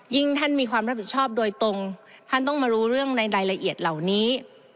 ท่านมีความรับผิดชอบโดยตรงท่านต้องมารู้เรื่องในรายละเอียดเหล่านี้